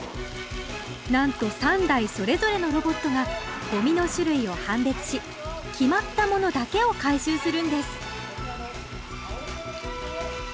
なんと３台それぞれのロボットがゴミの種類を判別し決まったものだけを回収するんです